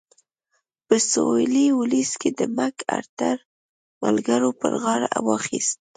په سوېلي ویلز کې د مک ارتر ملګرو پر غاړه واخیست.